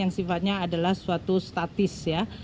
yang sifatnya adalah suatu statis ya